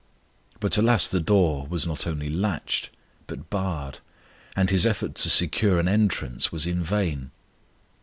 But, alas, the door was not only latched, but barred; and His effort to secure an entrance was in vain.